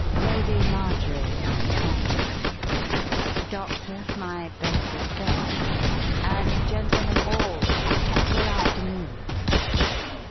Lady Marjorie, my compliments. Doctor, my best respects, and gentlemen all good afternoon."